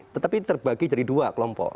tetapi terbagi jadi dua kelompok